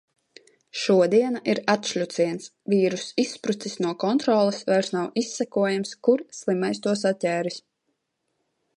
Šodiena ir atšļuciens. Vīruss izsprucis no kontroles, vairs nav izsekojams, kur slimais to saķēris.